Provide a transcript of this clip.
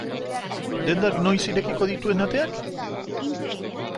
Dendak noiz irekiko dituen ateak?